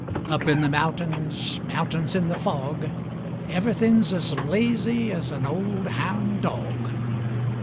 Up in the mountains, mountains in the fog, Everythin's as lazy as an old houn' dog.